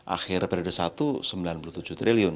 akhir periode satu sembilan puluh tujuh triliun